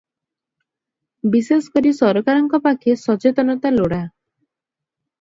ବିଶେଷ କରି ସରକାରଙ୍କ ପାଖେ ସଚେତନତା ଲୋଡ଼ା ।